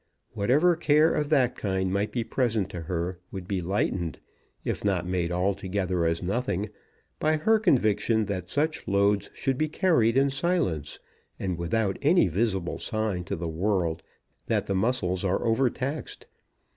Whatever care of that kind might be present to her would be lightened, if not made altogether as nothing, by her conviction that such loads should be carried in silence, and without any visible sign to the world that the muscles are overtaxed.